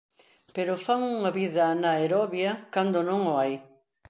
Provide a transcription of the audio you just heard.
Pero fan unha vida anaerobia cando non o hai.